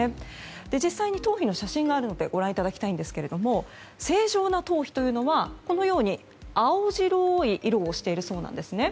実際に頭皮の写真があるのでご覧いただきたいんですが正常な頭皮というのは青白い色をしているそうなんです。